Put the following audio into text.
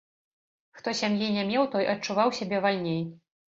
Хто сям'і не меў, той адчуваў сябе вальней.